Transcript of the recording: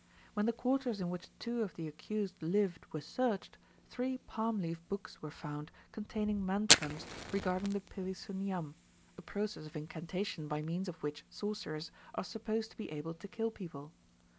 When the quarters in which two of the accused lived were searched, three palm leaf books were found containing mantrams regarding the pilli suniyam, a process of incantation by means of which sorcerers are supposed to be able to kill people.